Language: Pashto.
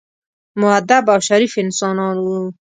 مودب او شریف انسانان وو.